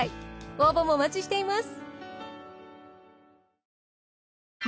応募もお待ちしています！